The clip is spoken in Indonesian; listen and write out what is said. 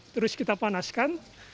terus kita panaskan